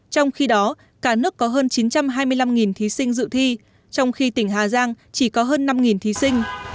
trong khi đó cả nước có hơn chín trăm hai mươi năm thí sinh dự thi trong khi tỉnh hà giang chỉ có hơn năm thí sinh